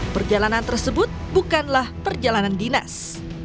perjalanan tersebut bukanlah perjalanan dinas